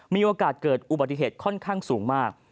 มีโอกาสเกิดอุบัติเหตุค่อนข้างสูงมาก